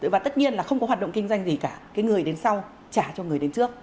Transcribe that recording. và tất nhiên là không có hoạt động kinh doanh gì cả cái người đến sau trả cho người đến trước